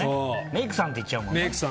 メイクさんって言っちゃうもんね。